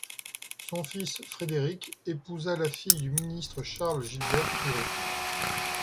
Son fils Frédéric épousa la fille du ministre Charles Gilbert Tourret.